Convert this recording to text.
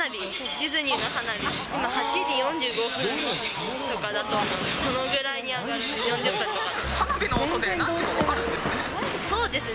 ディズニーの花火、今、８時４５分とかだと、そのぐらいに上がる、花火の音で何時か分かるんでそうですね。